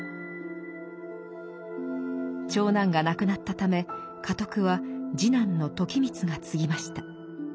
長男が亡くなったため家督は次男の時光が継ぎました。